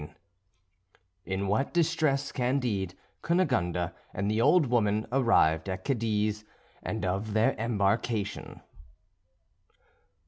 X IN WHAT DISTRESS CANDIDE, CUNEGONDE, AND THE OLD WOMAN ARRIVED AT CADIZ; AND OF THEIR EMBARKATION.